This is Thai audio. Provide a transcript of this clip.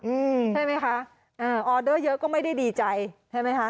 อืมใช่ไหมคะอ่าออเดอร์เยอะก็ไม่ได้ดีใจใช่ไหมคะ